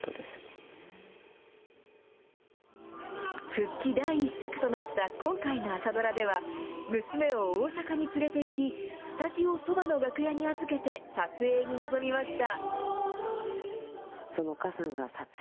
復帰第１作となった今回の朝ドラでは、娘を大阪に連れていき、スタジオそばの楽屋に預けて撮影に臨みました。